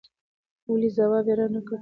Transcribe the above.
ولې ځواب يې را نه کړ